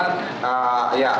ada pasal kelima klima